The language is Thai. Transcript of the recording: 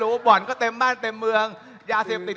คุณเขตรัฐพยายามจะบอกว่าโอ้เลิกพูดเถอะประชาธิปไตย